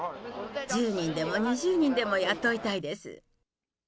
１０人でも２０人でも雇いたいです。